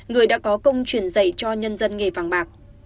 người đã có công truyền dạy cho nhân dân nghề vàng bạc